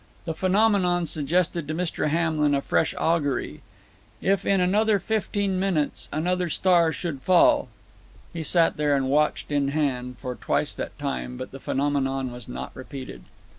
The phenomenon suggested to Mr. Hamlin a fresh augury. If in another fifteen minutes another star should fall He sat there, watch in hand, for twice that time, but the phenomenon was not repeated.